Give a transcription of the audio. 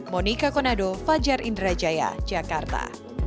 monika konado fajar indrajaya jakarta